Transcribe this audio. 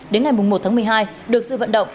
đến ngày một tháng một mươi hai được dự vận động